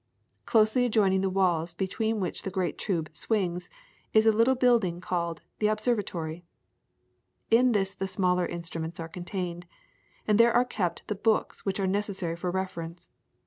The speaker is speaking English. Closely adjoining the walls between which the great tube swings, is a little building called "The Observatory." In this the smaller instruments are contained, and there are kept the books which are necessary for reference.